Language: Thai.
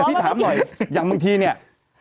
พี่ถามหน่อยอย่างบางทีเนี่ย